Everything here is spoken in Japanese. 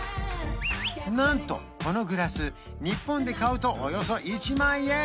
なんとこのグラス日本で買うとおよそ１万円